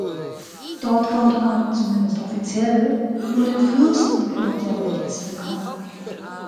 Dort konnte man, zumindest offiziell, nur den "Fürsten" Machiavellis bekommen.